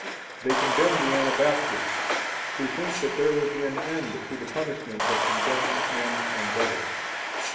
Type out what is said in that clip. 4 They condemn the Anabaptists, who think that there will be an end to the punishments of condemned men and devils.